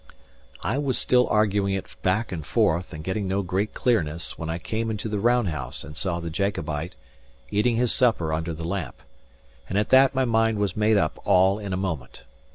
I was still arguing it back and forth, and getting no great clearness, when I came into the round house and saw the Jacobite eating his supper under the lamp; and at that my mind was made up all in a moment.